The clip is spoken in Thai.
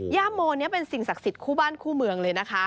ยาโมนี่เป็นสิ่งศักดิ์สังสริทธิ์คู่บ้านคู่เมือง